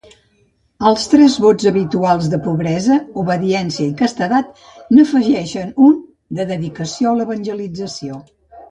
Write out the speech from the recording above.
Als tres vots habituals de pobresa, obediència i castedat, n'afegeixen un de dedicació a l'evangelització.